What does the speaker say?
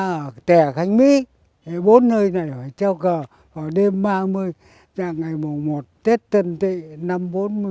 địa điểm đẻ khánh mỹ là bốn nơi này phải treo cờ vào đêm ba mươi ngày mùa một tết tân tị năm một nghìn chín trăm bốn mươi một